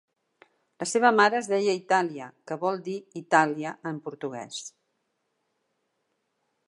La seva mare es deia "Itália", que vol dir "Itàlia" en portuguès.